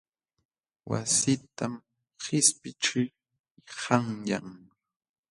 Wassitam qishpiqćhii qanyan.